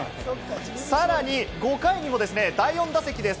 さらに５回にも第４打席です。